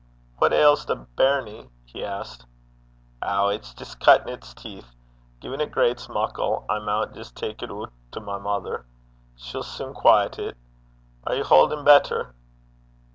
'What ails the bairnie?' he asked. 'Ow, it's jist cuttin' its teeth. Gin it greits muckle, I maun jist tak it oot to my mither. She'll sune quaiet it. Are ye haudin' better?'